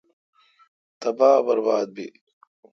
تبا برباد بیل۔